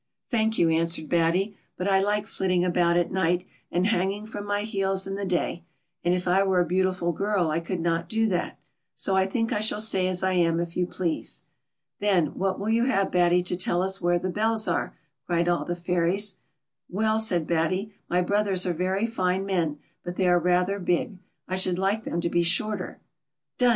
" "Thank you," answered Batty; "but I like flitting about at night, and hanging from my heels in the day, and if I were a beautiful girl, I could not do that ; so I think I shall stay as I am, if you please." "Then, what will you have, Batty, to tell us where the bells are V cried all the fairies. " Well," said Batty, " my brothers are very fine men, but they are rather big. I should like them to be shorter." " Done